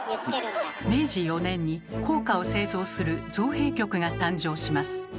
明治４年に硬貨を製造する造幣局が誕生します。